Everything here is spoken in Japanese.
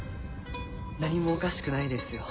何もおかしくないですよ。